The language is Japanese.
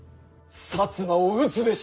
摩を討つべし！